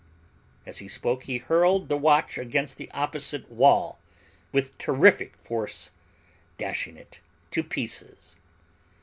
As he spoke he hurled the watch against the opposite wall with terrific force, dashing it to pieces.